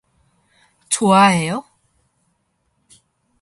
좋아해요?